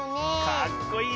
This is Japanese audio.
かっこいいね。